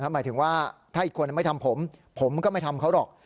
หมายถึงว่าถ้าอีกคนไม่ทำผมผมก็ไม่ทำเขาหรอก